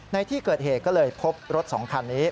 ในที่เกิดเหตุก็เลยพบรถ๒คันนี้